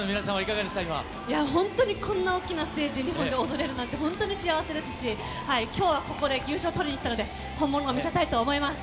本当にこんな大きなステージ、日本で踊れるなんて、本当に幸せですし、きょうはここで優勝取りにいったので、本物を見せたいと思います。